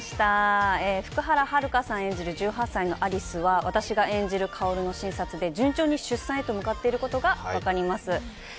福原遥さん演じる１８歳の有栖は私が演じる薫の巡察で順調に出産へと向かっていることが分かります。